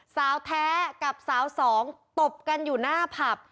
สาวแท้กับสาวสองตบกันอยู่หน้าผับ